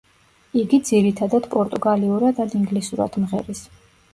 იგი ძირითადად პორტუგალიურად ან ინგლისურად მღერის.